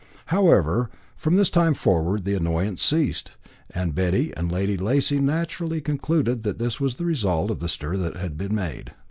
However, from this time forward the annoyance ceased, and Betty and Lady Lacy naturally concluded that this was the result of the stir that had been made.